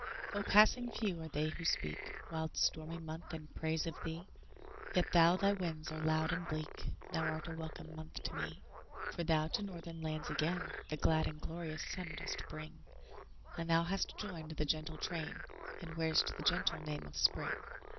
Ah, passing few are they who speak, Wild, stormy month! in praise of thee; Yet though thy winds are loud and bleak, Thou art a welcome month to me. For thou, to northern lands, again The glad and glorious sun dost bring, And thou hast joined the gentle train And wear'st the gentle name of Spring.